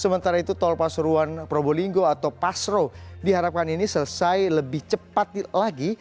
sementara itu tol pasuruan probolinggo atau pasro diharapkan ini selesai lebih cepat lagi